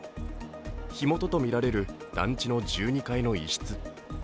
火元とみられる団地の１２階の一室。